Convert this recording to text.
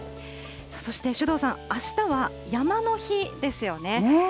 そして首藤さん、あしたは山の日ですよね。